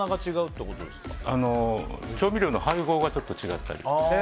調味料の配合がちょっと違ったり。